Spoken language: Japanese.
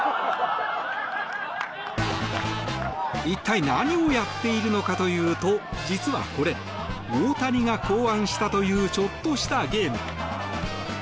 一体何をやっているのかというと実はこれ、大谷が考案したというちょっとしたゲーム。